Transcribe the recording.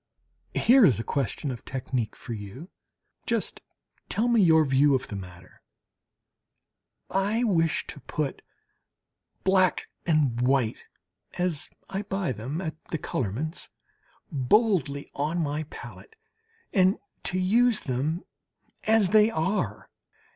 Here is a question of technique for you! Just tell me your view of the matter! I wish to put black and white, as I buy them at the colourman's, boldly on my palette, and to use them as they are.